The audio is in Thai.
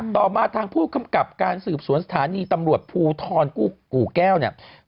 ต่อมาทางผู้กำกับการสืบสวนสถานีตำรวจภูทรกู่แก้วเนี่ย